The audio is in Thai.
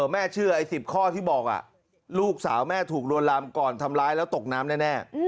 แม่เชื่อไอ้๑๐ข้อที่บอกลูกสาวแม่ถูกลวนลามก่อนทำร้ายแล้วตกน้ำแน่